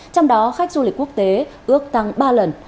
trong đó khách du lịch quốc tế ước tăng ba lần